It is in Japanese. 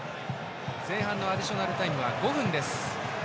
前半のアディショナルタイムは５分です。